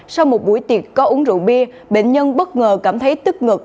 sau một buổi tiệc có uống rượu bia bệnh nhân bất ngờ cảm thấy tức ngực